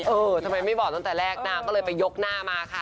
เออทำไมไม่บอกตั้งแต่แรกนางก็เลยไปยกหน้ามาค่ะ